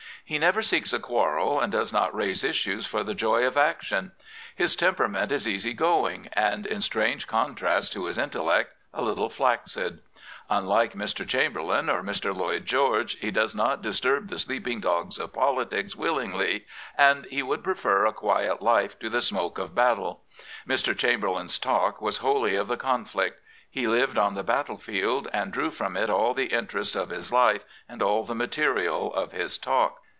He never seeks a quarrel, and does not raise issues for the joy of action. His temperament is easy going, and, in strange contrast to his intellect, a little flaccid. Unlike Mr. Chamber lain or Mr. Lloyd George he does not disturb the sleeping dogs of politics willingly, and he would prefer a quiet life to the smoke of battle. Mr. Chamberlain's talk was wholly of the conflict. He lived on the battle field and drew from it all the interest of his life and all the material of his talk.